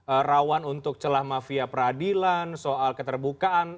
apakah rawan untuk celah mafia peradilan soal keterbukaan